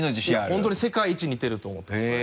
本当に世界一似てると思ってます。